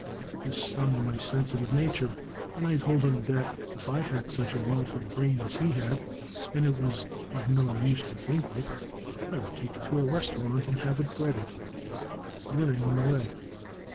This stung my sensitive nature, and I told him that if I had such a wealth of brain as he had, and it was of no use to think with, I would take it to a restaurant and have it breaded. Then I went away.